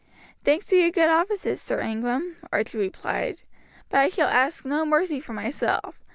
"Thanks for your good offices, Sir Ingram," Archie replied, "but I shall ask for no mercy for myself.